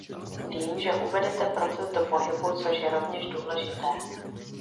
Vím, že uvedete proces do pohybu, což je rovněž důležité.